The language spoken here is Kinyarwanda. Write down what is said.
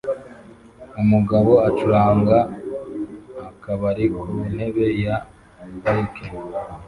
Umugabo acuranga akabari ku ntebe ya parike